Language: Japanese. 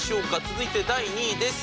続いて第２位です。